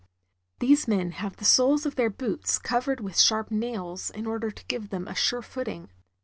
These men have the soles of their boots covered with sharp nails in order to give them a sure footing.